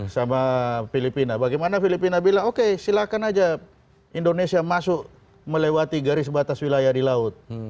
sama filipina bagaimana filipina bilang oke silakan aja indonesia masuk melewati garis batas wilayah di laut